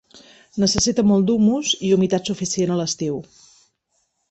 Necessita molt d'humus i humitat suficient a l'estiu.